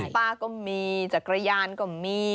ป้าก็มีจักรยานก็มี